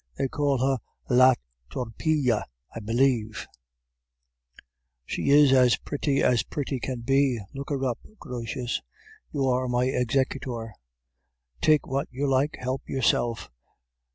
They call her "La Torpille," I believe; she is as pretty as pretty can be; look her up, Grotius. You are my executor; take what you like; help yourself.